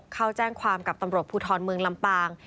เข้าแจ้งความกับตำรวจภูทรเมืองลำปาง